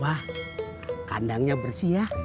wah kandangnya bersih ya